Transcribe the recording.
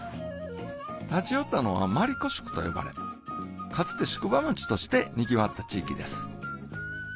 立ち寄ったのはかつて宿場町としてにぎわった地域です